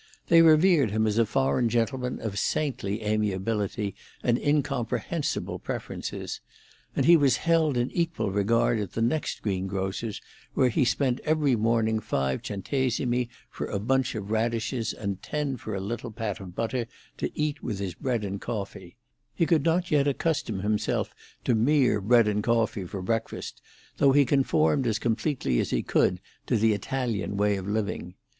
They revered him as a foreign gentleman of saintly amiability and incomprehensible preferences; and he was held in equal regard at the next green grocer's where he spent every morning five centessimi for a bunch of radishes and ten for a little pat of butter to eat with his bread and coffee; he could not yet accustom himself to mere bread and coffee for breakfast, though he conformed as completely as he could to the Italian way of living.